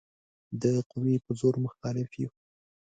د قوې په زور مخالف یو.